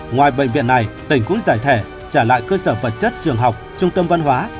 ngoài bệnh viện này tỉnh cũng giải thẻ trả lại cơ sở vật chất trường học trung tâm văn hóa